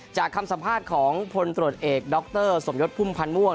คำสัมภาษณ์ของพลตรวจเอกดรสมยศพุ่มพันธ์ม่วง